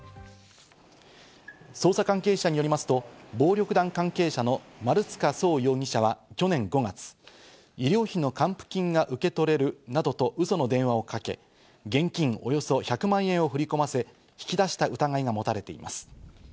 捜査関係者によりますと、暴力団関係者の丸塚創容疑者は去年５月、医療費の還付金が受け取れるなどとウソの電話をかけ、現金およそ１００万円を振り込ませ、引き出した疑いが持たれています。